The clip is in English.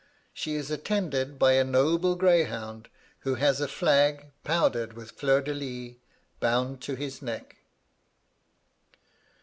She is attended by a noble greyhound, who has a flag, powdered with fleurs de lys, bound to his neck.